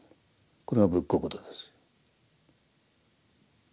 これが仏国土です。